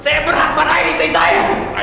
saya berhak pada istri saya